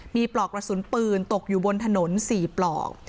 มีปลอกกระสุนปืนตกอยู่บนถนน๔ปลอก